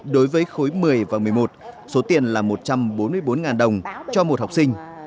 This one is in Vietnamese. đối với khối một mươi và một mươi một số tiền là một trăm bốn mươi bốn đồng cho một học sinh